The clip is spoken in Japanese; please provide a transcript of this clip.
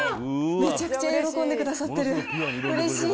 めちゃくちゃ喜んでくださってる、うれしい。